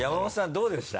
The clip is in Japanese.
どうでした？